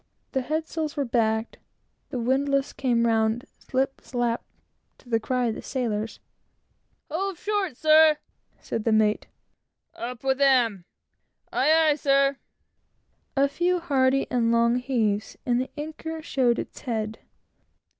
The head sails were backed, the windlass came round "slip slap" to the cry of the sailors; "Hove short, sir," said the mate; "Up with him!" "Aye, aye, sir." A few hearty and long heaves, and the anchor showed its head.